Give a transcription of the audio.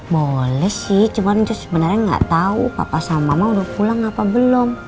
boleh sih cuma njus sebenarnya gak tau papa sama mama udah pulang apa belum